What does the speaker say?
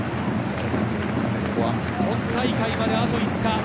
本大会まであと５日。